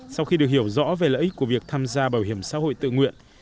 sau khi được hiểu rõ về lợi ích của việc tham gia bảo hiểm xã hội tự nguyện